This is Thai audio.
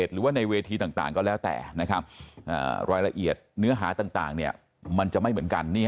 รายละเอียดเนื้อหาต่างเนี่ยมันจะไม่เหมือนกัน